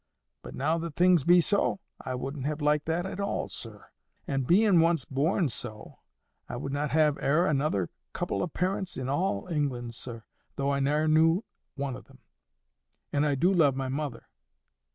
But, now that things be so, I wouldn't have liked that at all, sir; and bein' once born so, I would not have e'er another couple of parents in all England, sir, though I ne'er knew one o' them. And I do love my mother.